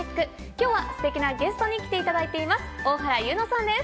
今日はすてきなゲストに来ていただいています。